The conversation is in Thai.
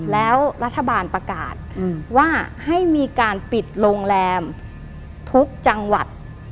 แล้วรัฐบาลประกาศว่าให้มีการปิดโรงแรมทุกจังหวัด